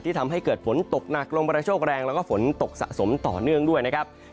ทำให้เกิดฝนตกหนักลมกระโชคแรงแล้วก็ฝนตกสะสมต่อเนื่องด้วยนะครับ